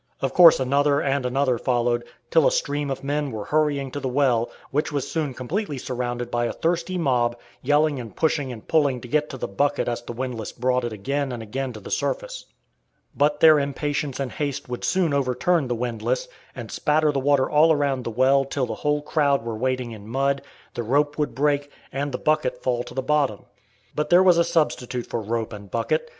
Of course another and another followed, till a stream of men were hurrying to the well, which was soon completely surrounded by a thirsty mob, yelling and pushing and pulling to get to the bucket as the windlass brought it again and again to the surface. But their impatience and haste would soon overturn the windlass, and spatter the water all around the well till the whole crowd were wading in mud, the rope would break, and the bucket fall to the bottom. But there was a substitute for rope and bucket.